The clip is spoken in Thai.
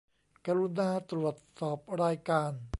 กรุณาตรวจสอบรายการ